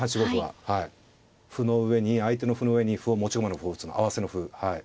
相手の歩の上に持ち駒の歩を打つの合わせの歩。